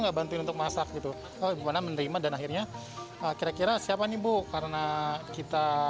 nggak bantuin untuk masak gitu oh mana menerima dan akhirnya kira kira siapa nih bu karena kita